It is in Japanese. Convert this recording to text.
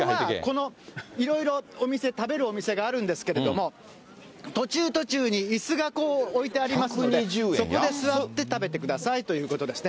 いろいろ食べるお店があるんですけれども、途中途中にいすがこう、置いてありますので、そこで座って食べてくださいということですね。